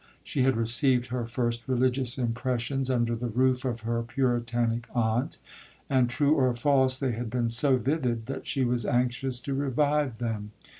She had received her first religious impressions under the roof of her Puritanic aunt, and, true or false, they had been so vivid, that she was anxious to revive them.